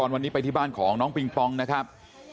วันนี้ไปที่บ้านของน้องปิงปองนะครับ